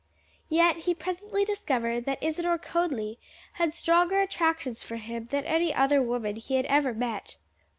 Yet he presently discovered that Isadore Conly had stronger attractions for him than any other woman he had ever met.